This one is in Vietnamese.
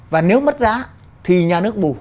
và nếu mất giá thì nhà nước bù